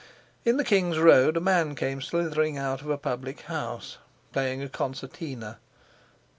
In the King's Road a man came slithering out of a public house playing a concertina.